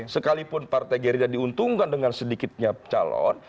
sekalipun partai gerindra diuntungkan dengan sedikitnya calon